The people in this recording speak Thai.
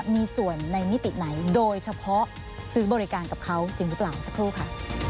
มีส่วนในมิติไหนโดยเฉพาะซื้อบริการกับเขาจริงหรือเปล่าสักครู่ค่ะ